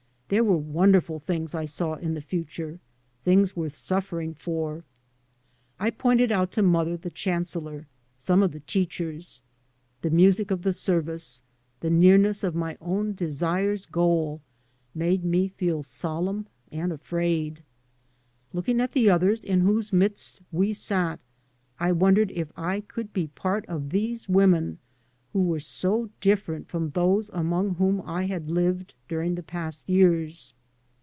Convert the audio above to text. There were won derful things I saw in the future, things worth suffering for. I pointed out to mother the chancellor, some of the teachers. The music of the service, the nearness of my own desire's goal, made me feel solemn and afraid. Looking at the others in whose midst we sat I wondered if I could be part of these women who were so different from those among whom I had lived during the past years.